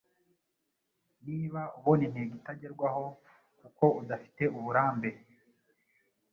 Niba ubona intego itagerwaho kuko udafiteuburambe